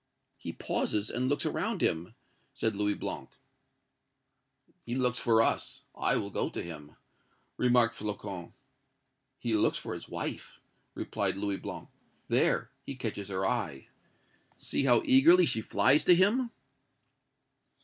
"He pauses and looks around him!" said Louis Blanc. "He looks for us; I will go to him!" remarked Flocon. "He looks for his wife," replied Louis Blanc. "There, he catches her eye. See how eagerly she flies to him!"